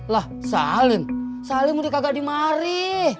lah salim salim udah kagak dimari